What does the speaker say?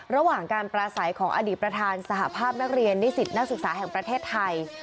ระหว่างการปราศัยของอดีตประธานสหภาพนักเรียนนิสิตนักศึกษาแห่งประเทศไทย